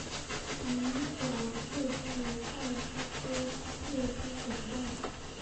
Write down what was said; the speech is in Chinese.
鸣走跃蛛为跳蛛科跃蛛属的动物。